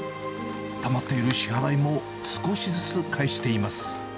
たまっている支払いも少しずつ返しています。